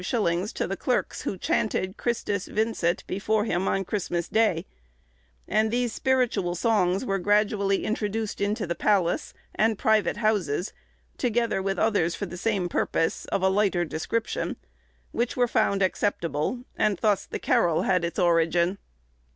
_ to the clerks who chanted "Christus vincit" before him on Christmas Day; and these spiritual songs were gradually introduced into the palace, and private houses, together with others for the same purpose, of a lighter description, which were found acceptable, and thus the carol had its origin.